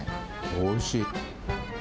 おいしい。